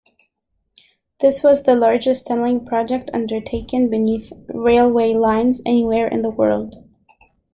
This was the largest tunneling project undertaken beneath railway lines anywhere in the world.